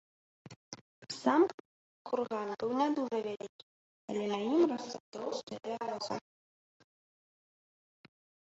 Сам курган быў не дужа вялікі, але на ім расла тоўстая бяроза.